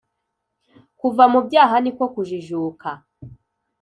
kuva mu byaha niko kujijuka.